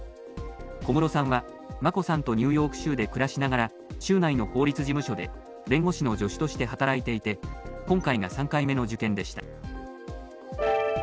小室さんは、眞子さんとニューヨーク州で暮らしながら、州内の法律事務所で弁護士の助手として働いていて、今回が３回目の受験でした。